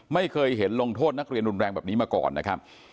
ไม่เคยเห็นลงโทษนักเรียนรุนแรงแบบนี้มาก่อนนะครับ